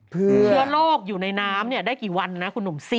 เชื้อโรคอยู่ในน้ำได้กี่วันนะคุณหนุ่ม